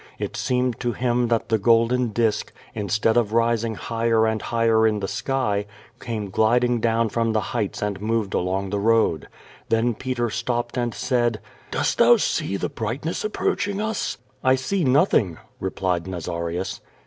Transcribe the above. It seemed to him that the golden disc, instead of rising higher and liigher in the sky, came glid ing down from the heights and moved along the road. Then Peter stopped and said: "Dost thou see the brightness approaching us?" "I see nothing," replied Nazarius.